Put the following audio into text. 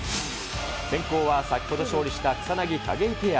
先攻は先ほど勝利した草薙・景井ペア。